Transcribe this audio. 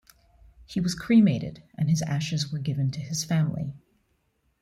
He was cremated and his ashes were given to his family.